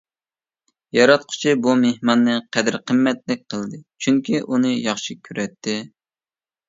ياراتقۇچى بۇ مېھماننى قەدىر-قىممەتلىك قىلدى، چۈنكى ئۇنى ياخشى كۆرەتتى.